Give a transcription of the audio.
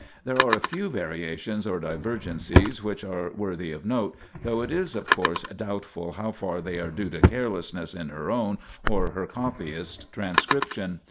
There are a few variations or divergencies which are worthy of note, though it is, of course, doubtful how far they are due to carelessness in her own or her copyist's transcription.